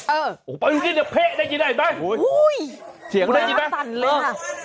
เออโอ้โหเอาอยู่นี่เดี๋ยวเพะได้ยินได้ยังไงโอ้โหโอ้ยเสียงน่ารักสั่นเลยอ่ะ